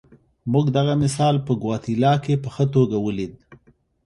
موږ دغه مثال په ګواتیلا کې په ښه توګه ولیده.